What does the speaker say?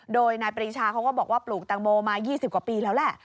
โดยนายปรีชาเขาก็บอกว่าปลูกแตงโมมา๒๐กว่าปีแล้วแหละ